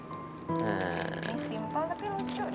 ini simpel tapi lucu deh